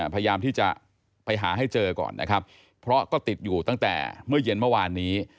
พยายามที่จะไปหาให้เจอก่อนนะครับเพราะก็ติดอยู่ตั้งแต่เมื่อเย็นเมื่อวานนี้